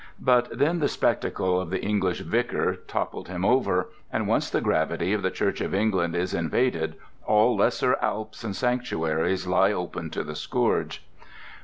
But then the spectacle of the English vicar toppled him over, and once the gravity of the Church of England is invaded, all lesser Alps and sanctuaries lie open to the scourge.